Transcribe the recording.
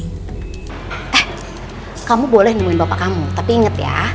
teh kamu boleh nemuin bapak kamu tapi inget ya